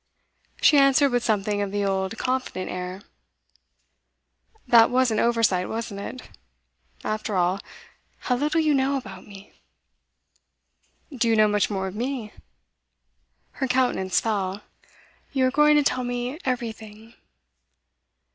She answered with something of the old confident air. 'That was an oversight, wasn't it? After all, how little you know about me!' 'Do you know much more of me?' Her countenance fell. 'You are going to tell me everything.